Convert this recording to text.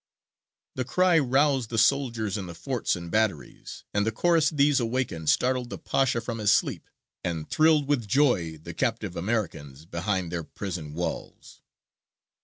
The cry roused the soldiers in the forts and batteries, and the chorus these awakened startled the Pasha from his sleep, and thrilled with joy the captive Americans behind their prison walls.